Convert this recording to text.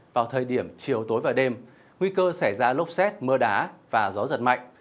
vào thời điểm chiều tối và đêm nguy cơ xảy ra lốc xét mưa đá và gió giật mạnh